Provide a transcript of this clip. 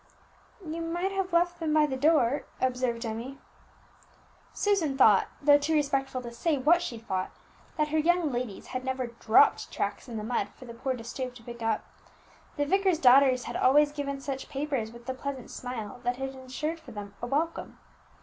"You might have left them by the door," observed Emmie. Susan thought, though too respectful to say what she thought, that her young ladies had never dropped tracts in the mud for the poor to stoop to pick up; the vicar's daughters had always given such papers with the pleasant smile which had insured for them a welcome.